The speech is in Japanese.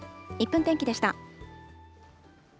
１分天気でした。